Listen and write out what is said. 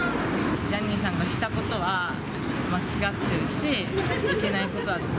ジャニーさんがしたことは間違ってるし、いけないことだと。